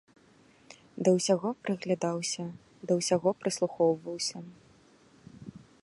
Да ўсяго прыглядаўся, да ўсяго прыслухоўваўся.